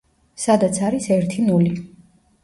სადაც არის ერთი ნული.